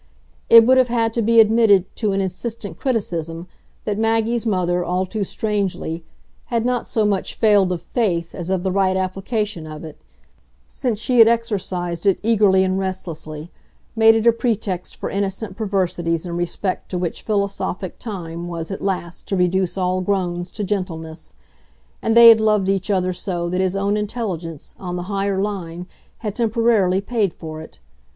It would have had to be admitted, to an insistent criticism, that Maggie's mother, all too strangely, had not so much failed of faith as of the right application of it; since she had exercised it eagerly and restlessly, made it a pretext for innocent perversities in respect to which philosophic time was at, last to reduce all groans to gentleness. And they had loved each other so that his own intelligence, on the higher line, had temporarily paid for it.